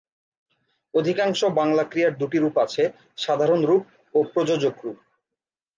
অধিকাংশ বাংলা ক্রিয়ার দুটি রূপ আছে: সাধারণ রূপ ও প্রযোজক রূপ।